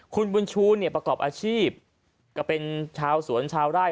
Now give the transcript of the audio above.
คุณบุญชูเนี่ยประกอบอาชีพก็เป็นชาวสวนชาวไร่